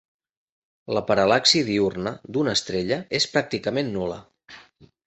La paral·laxi diürna d'una estrella és pràcticament nul·la.